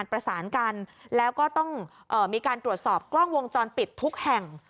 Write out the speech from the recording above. ประสานกันแล้วก็ต้องมีการตรวจสอบกล้องวงจรปิดทุกแห่ง